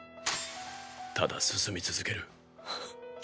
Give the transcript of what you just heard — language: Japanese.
ただ進み続ける。